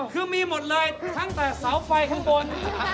คือมีหมดเลยตั้งแต่เสาไฟข้างบน